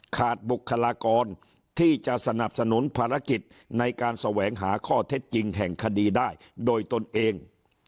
บุคลากรที่จะสนับสนุนภารกิจในการแสวงหาข้อเท็จจริงแห่งคดีได้โดยตนเอง